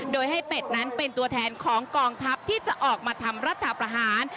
โดยให้เป็ดนั้นเป็นตัวแทนของกองทัพที่จะออกมาทำรัฐประหาร